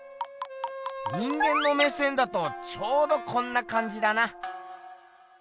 人間の目線だとちょうどこんなかんじだな。